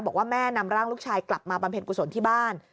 บอกว่าแม่นำร่างลูกชายกลับมาบำเพ็ญกุศลที่บ้าน